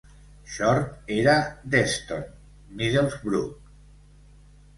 Short era d'Eston, Middlesbrough.